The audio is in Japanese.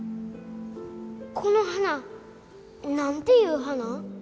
この花何ていう花？